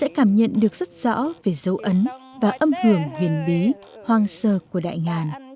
sẽ cảm nhận được rất rõ về dấu ấn và âm hưởng huyền bí hoang sơ của đại ngàn